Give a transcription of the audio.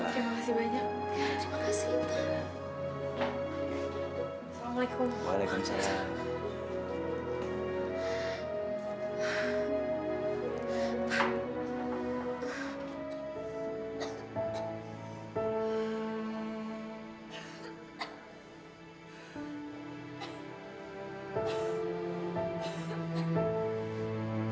terima kasih banyak